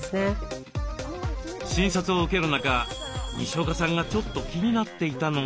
診察を受ける中にしおかさんがちょっと気になっていたのが。